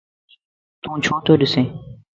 تون ڇو تو ڏسي؟